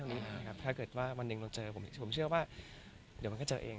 ถ้าเกิดว่าวันหนึ่งเราเจอผมผมเชื่อว่าเดี๋ยวมันก็เจอเอง